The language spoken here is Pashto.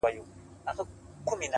زموږ يقين دئ عالمونه به حيران سي!.